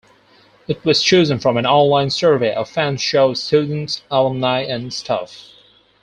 It was chosen from an online survey of Fanshawe students, alumni and staff.